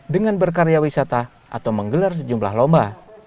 dengan berkarya wisata atau menggelar sejumlah lomba